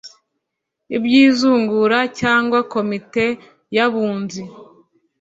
Iby izungura cyangwa komite y abunzi